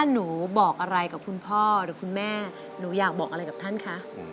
หนูบอกอะไรกับคุณพ่อหรือคุณแม่หนูอยากบอกอะไรกับท่านคะ